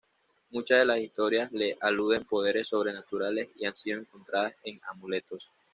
Muchas de las historias le aluden poderes sobrenaturales y han sido encontradas en amuletos.